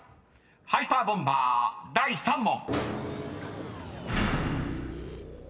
［ハイパーボンバー第３問］